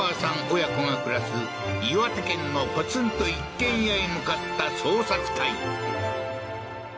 親子が暮らす岩手県のポツンと一軒家へ向かった捜索隊